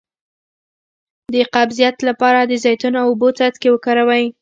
د قبضیت لپاره د زیتون او اوبو څاڅکي وکاروئ